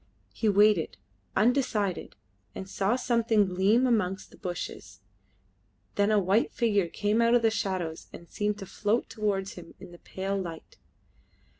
He waited, undecided, and saw something gleam amongst the bushes; then a white figure came out of the shadows and seemed to float towards him in the pale light.